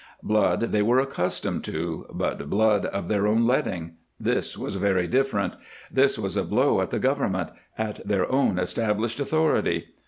Blood they were accustomed to, but blood of their own letting. This was very different. This was a blow at the government, at their own established authority.